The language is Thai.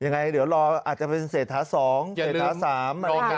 ยังไงเดี๋ยวรออาจจะเป็นเศรษฐาสองเศรษฐาสามอย่างนึง